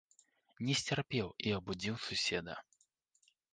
Не сцярпеў і абудзіў суседа.